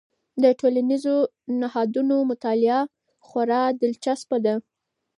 د ټولنیزو نهادونو مطالعه خورا دلچسپ ده.